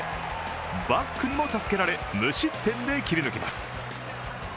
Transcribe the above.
バックにも助けられ無失点で切り抜けます。